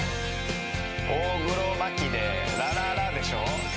大黒摩季で『ら・ら・ら』でしょ。